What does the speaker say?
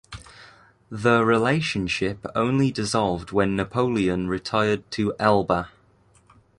The relationship only dissolved when Napoleon retired to Elba.